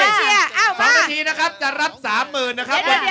๒นาทีนะครับจะรับ๓๐๐๐๐นะครับ